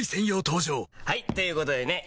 登場はい！ということでね